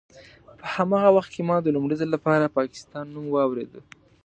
په هماغه وخت کې ما د لومړي ځل لپاره د پاکستان نوم واورېد.